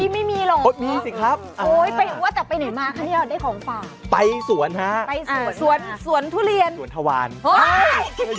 มันต่างกันไหนในตรงนี้ไม่มีหรอก